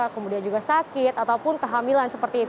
kemudian juga sakit ataupun kehamilan seperti itu